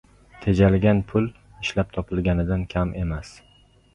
Tejalgan pul ishlab topilganidan kam emas.